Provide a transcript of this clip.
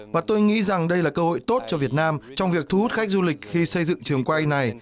và tôi nghĩ rằng đây là cơ hội tốt cho việt nam trong việc thu hút khách du lịch khi xây dựng trường quay này